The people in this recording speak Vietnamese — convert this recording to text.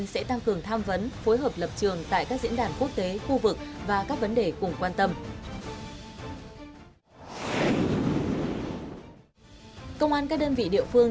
xin chào các bạn